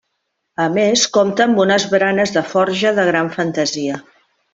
A més, compta amb unes baranes de forja de gran fantasia.